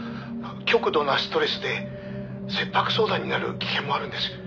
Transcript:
「極度のストレスで切迫早産になる危険もあるんです」